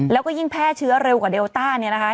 แล้วก็ยิ่งแพร่เชื้อเร็วกว่าเดลต้าเนี่ยนะคะ